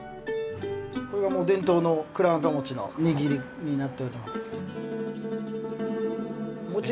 これが伝統のくらわんかの握りになっております。